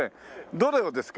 どれをですか？